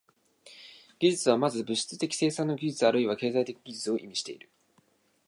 技術は先ず物質的生産の技術あるいは経済的技術を意味している。